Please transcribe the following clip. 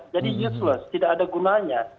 jadi useless tidak ada gunanya